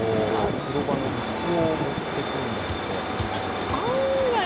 風呂場の椅子を持っていくんですって、リビングに。